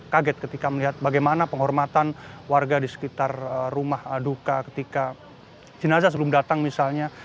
kaget ketika melihat bagaimana penghormatan warga di sekitar rumah duka ketika jenazah sebelum datang misalnya